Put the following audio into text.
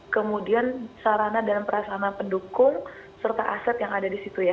kemudian sarana dan prasana pendukung serta aset yang ada di situ ya